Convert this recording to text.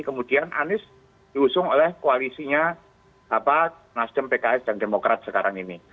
kemudian anies diusung oleh koalisinya nasdem pks dan demokrat sekarang ini